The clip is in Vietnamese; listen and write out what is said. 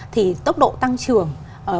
thì tốc độ tăng trưởng